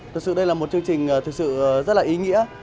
thực sự đây là một chương trình rất là ý nghĩa